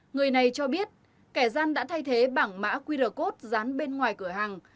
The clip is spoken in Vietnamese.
người này cho biết kẻ gian đã thay thế bảng mã qr code dán bên ngoài cửa hàng